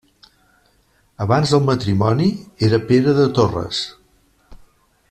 Abans del matrimoni era Pere de Torres.